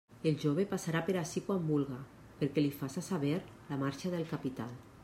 El jove passarà per ací quan vulga, perquè li faça saber la marxa del capital.